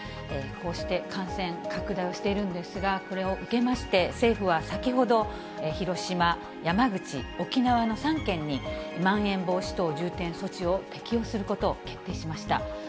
こうして感染拡大をしているんですが、これを受けまして、政府は先ほど、広島、山口、沖縄の３県にまん延防止等重点措置を適用することを決定しました。